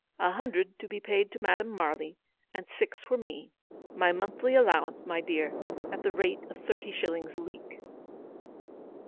A hundred to be paid to Madame Marly, and six for me; my monthly allowance, my'dear, at the rate of thirty shillings a week."